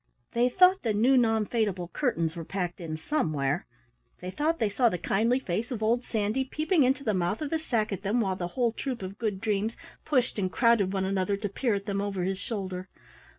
"] They thought the new non fadable curtains were packed in somewhere, they thought they saw the kindly face of old Sandy peeping into the mouth of the sack at them while the whole troop of Good Dreams pushed and crowded one another to peer at them over his shoulder.